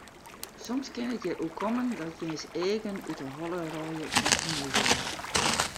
Soms kin it jin oerkomme dat jins eagen út de holle rôlje fan fernuvering.